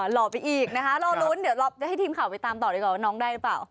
หล่อไปอีกนะคะรอลุ้นเดี๋ยวเราจะให้ทีมข่าวไปตามต่อดีกว่าว่าน้องได้หรือเปล่า